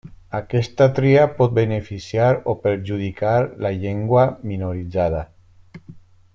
Aquesta tria pot beneficiar o perjudicar la llengua minoritzada.